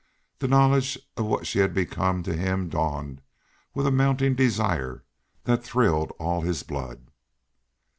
The knowledge of what she had become to him dawned with a mounting desire that thrilled all his blood.